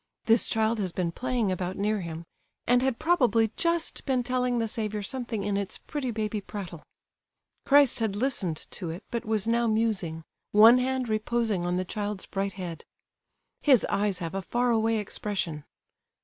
This child has been playing about near Him, and had probably just been telling the Saviour something in its pretty baby prattle. Christ had listened to it, but was now musing—one hand reposing on the child's bright head. His eyes have a far away expression.